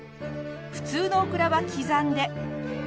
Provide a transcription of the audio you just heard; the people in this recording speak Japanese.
普通のオクラは刻んで。